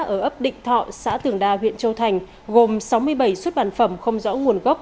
ở ấp định thọ xã tường đa huyện châu thành gồm sáu mươi bảy xuất bản phẩm không rõ nguồn gốc